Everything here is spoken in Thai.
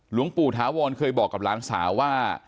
หลวงปู่ถาวรเคยบอกกับหลานสาวว่า